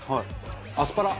アスパラ。